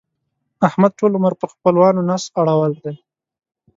احمد ټول عمر پر خپلوانو نس اړول دی.